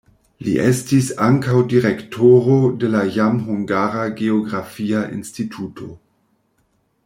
Li estis ankaŭ direktoro de la jam hungara geografia instituto.